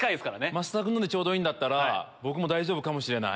増田君のでちょうどいいなら僕も大丈夫かもしれない。